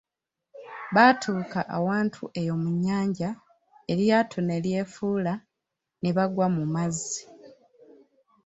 Baatuuka awantu eyo mu nnyanja eryato ne lyefuula ne bagwa mu mazzi.